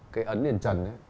cái ấn đền trần ấy